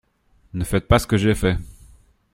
Ne faites pas ce que j'ai fait!